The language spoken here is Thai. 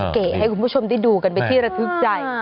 เก๋ให้คุณผู้ชมได้ดูกันเป็นที่ระทึกใจ